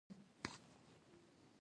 زه باید پر تا او ته پر ما ځان خوږ کړې.